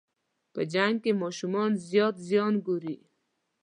په جنګ کې ماشومان زیات زیان ګوري.